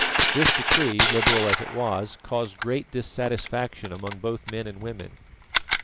This decree, liberal as it was, caused great dissatisfaction among both men and women.